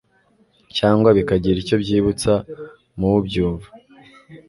cyangwa bikagiraicyo byibutsa mu wubyumva